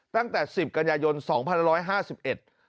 ตั้งแต่๑๐กายยนต์๒๑๕๑